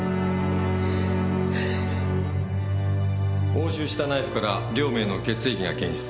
押収したナイフから両名の血液が検出されました。